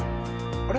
あれ？